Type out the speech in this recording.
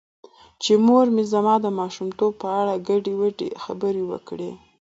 چې مور مې زما د ماشومتوب په اړه ګډې وګډې خبرې وکړې .